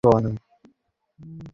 ধন্যবাদ, বাবা!